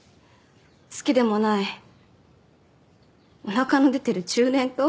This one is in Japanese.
好きでもないおなかの出てる中年と？